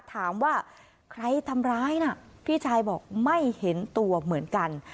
ถามว่าใครทำร้ายน่ะพี่ชายบอกไม่เห็นตัวเหมือนกัน